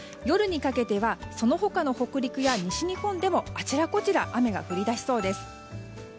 夜にかけてはその他の北陸や西日本でもあちらこちら雨が降り出しそうです。